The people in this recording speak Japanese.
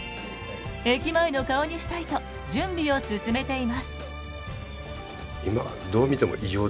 駅前の顔にしたいと準備を進めています。